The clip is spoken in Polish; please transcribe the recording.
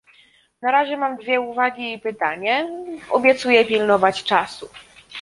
Na razie mam dwie uwagi i pytanie, obiecuję pilnować czasu